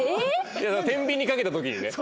てんびんにかけた時にね。